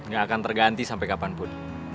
tidak akan terganti sampai kapanpun